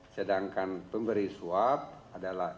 sedangkan pemberi suap adalah